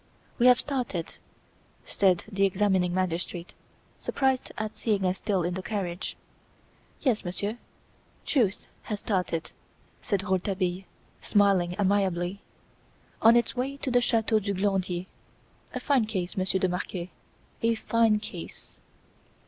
"We have started!" said the examining magistrate, surprised at seeing us still in the carriage. "Yes, Monsieur, truth has started," said Rouletabile, smiling amiably, "on its way to the Chateau du Glandier. A fine case, Monsieur de Marquet, a fine case!"